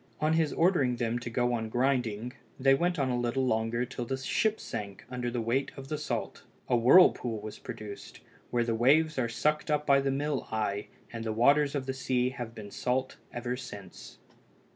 On his ordering them to go on grinding, they went on a little longer till the ship sank under the weight of the salt. A whirlpool was produced, where the waves are sucked up by the mill eye, and the waters of the sea have been salt ever since.